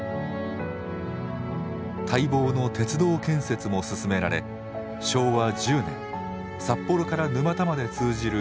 待望の鉄道建設も進められ昭和１０年札幌から沼田まで通じる国鉄札沼線が開通します。